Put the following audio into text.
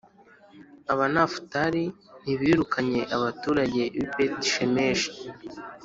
Abanafutali ntibirukanye abaturage b’i Beti-Shemeshi